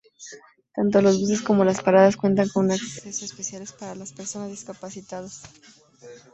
Tanto los buses como las paradas cuentan con accesos especiales para las personas discapacitadas.